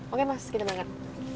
oke mas kita bangun